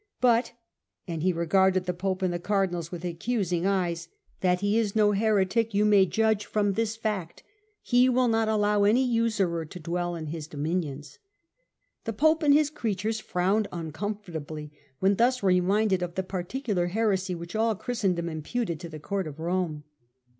But " and he regarded the Pope and his Cardinals with accusing eyes " that he is no heretic you may judge from this fact : he will not allow any usurer to dwell in his do minions." The Pope and his creatures frowned uncom fortably when thus reminded of the particular heresy which all Christendom imputed to the Court of Rome.